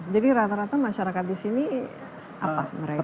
jadi rata rata masyarakat di sini apa mereka